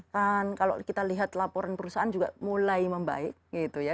dan kalau kita lihat laporan perusahaan juga mulai membaik gitu ya